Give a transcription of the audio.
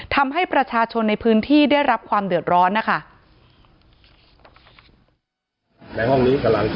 ทำให้ประชาชนในพื้นที่ได้รับความเดือดร้อนนะคะ